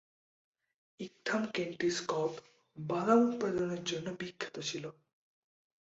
Ightham কেন্টিশ কব বাদাম উৎপাদনের জন্য বিখ্যাত ছিল।